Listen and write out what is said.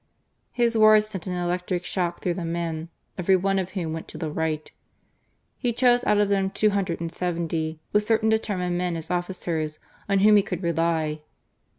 His words sent an electric shock through the men, every one of whom went to the right. He chose out of them two hundred and seventy, with certain determined men as officers on whom he could rely.